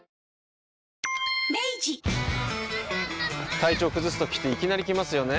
体調崩すときっていきなり来ますよね。